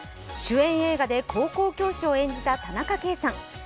主演映画で高校教師を演じた田中圭さん。